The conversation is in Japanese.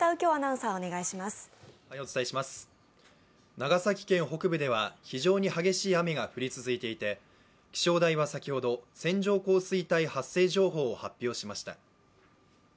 長崎県北部では非常に激しい雨が降り続いていて、気象台は先ほど線状降水帯発生情報を発表しました。